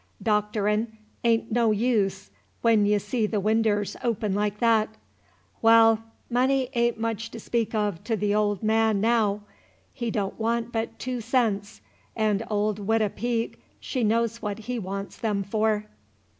Docterin' a'n't no use, when y' see th' winders open like that. Wahl, money a'n't much to speak of to th' old man naow! He don' want but tew cents, 'n' old Widah Peake, she knows what he wants them for!"